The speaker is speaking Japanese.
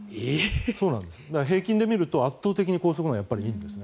平均で見ると圧倒的時速のほうがいいですね。